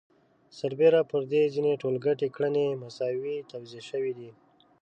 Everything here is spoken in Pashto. سربېره پر دې ځینې ټولګټې کړنې مساوي توزیع شوي دي